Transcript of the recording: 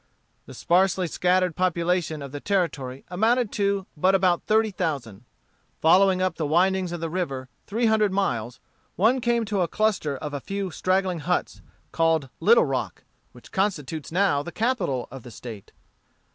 The sparsely scattered population of the Territory amounted to but about thirty thousand. Following up the windings of the river three hundred miles, one came to a cluster of a few straggling huts, called Little Rock, which constitutes now the capital of the State.